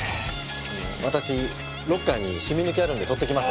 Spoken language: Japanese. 私ロッカーに染み抜きあるんで取ってきます。